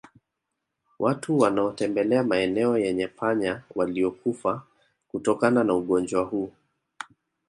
Watu wanaotembelea maeneo yenye panya waliokufa kutokana na ugonjwa huu